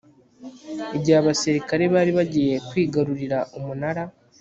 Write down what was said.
igihe abasirikare bari bagiye kwigarurira umunara